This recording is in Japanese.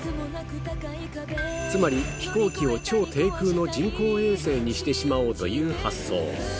つまり飛行機を超低空の人工衛星にしてしまおうという発想。